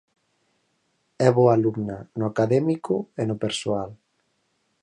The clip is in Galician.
É boa alumna, no académico e no persoal.